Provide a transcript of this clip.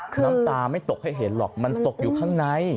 น้ำตาไม่ตกให้เห็นหรอกมันตกอยู่ข้างใน